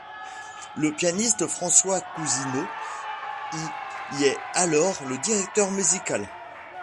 Le pianiste François Cousineau y est alors le directeur musical.